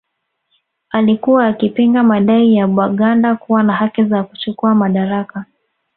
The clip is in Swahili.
Alikuwa akipinga madai ya Baganda kuwa na haki za kuchukuwa madaraka